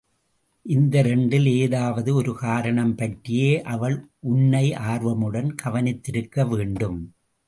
இந்த இரண்டில் ஏதாவது ஒரு காரணம் பற்றியே அவள் உன்னை ஆர்வமுடன் கவனித்திருக்க வேண்டும்.